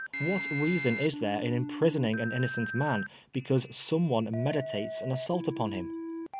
What reason is there in imprisoning an innocent man because some one meditates an assault upon him